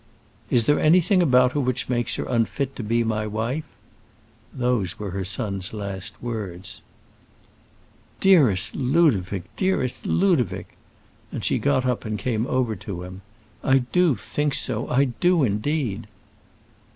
"Is there anything about her which makes her unfit to be my wife?" Those were her son's last words. "Dearest Ludovic, dearest Ludovic!" and she got up and came over to him, "I do think so; I do, indeed."